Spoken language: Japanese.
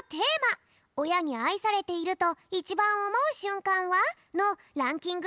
「おやにあいされているといちばんおもうしゅんかんは？」のランキング